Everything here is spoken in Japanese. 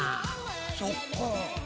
そっか。